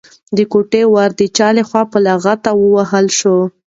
د کوټې ور د چا لخوا په لغته ووهل شو؟